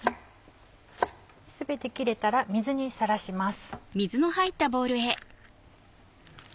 全て切れたら水にさらします。